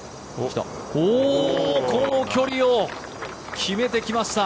この距離を決めてきました。